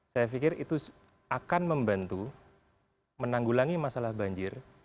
saya pikir itu akan membantu menanggulangi masalah banjir